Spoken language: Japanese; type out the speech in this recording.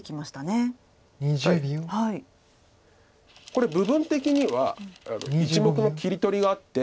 これ部分的には１目の切り取りがあって。